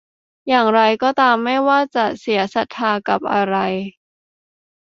อย่างไรก็ตาม ไม่ว่าจะเสียศรัทธากับอะไร